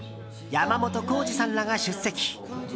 山本耕史さんらが出席。